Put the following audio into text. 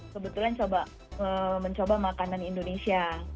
kebetulan mencoba makanan indonesia